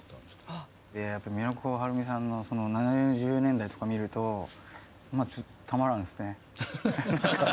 やっぱ都はるみさんの７０年代とか見るとちょっとたまらんですね。